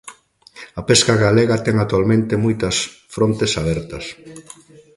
A pesca galega ten actualmente moitas frontes abertas.